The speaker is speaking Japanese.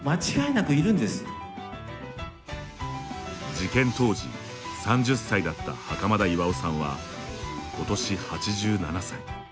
事件当時、３０歳だった袴田巌さんは、今年８７歳。